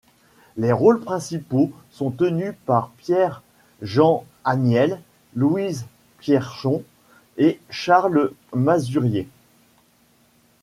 Les rôles principaux sont tenus par Pierre-Jean Aniel, Louise Pierson et Charles Mazurier.